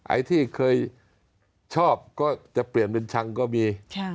ไอ้ที่เคยชอบก็จะเปลี่ยนเป็นชังก็มี